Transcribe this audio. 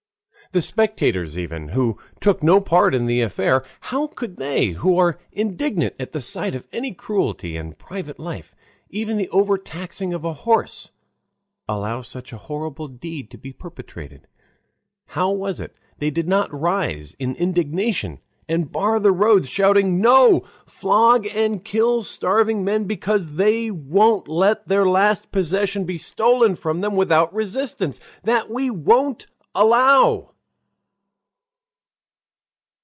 The spectators even, who took no part in the affair, how could they, who are indignant at the sight of any cruelty in private life, even the overtaxing of a horse, allow such a horrible deed to be perpetrated? How was it they did not rise in indignation and bar the roads, shouting, "No; flog and kill starving men because they won't let their last possession be stolen from them without resistance, that we won't allow!"